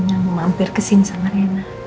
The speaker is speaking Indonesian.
yang mampir kesini sama rena